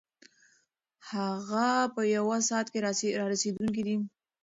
هغه په یوه ساعت کې رارسېدونکی دی.